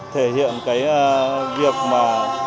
thể hiện việc mà